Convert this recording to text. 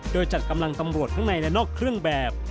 โดยจัดกำลังตำรวจทั้งในและนอกเครื่องแบบ